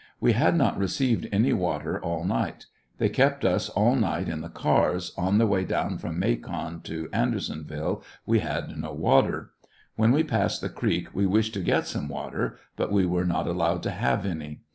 We had not received any water all night ; they kept us all night in the cars ; on the way down from Macon to Andersonville we had no water. When we passed the creek we wished to get some water, but we were not allowed to have any.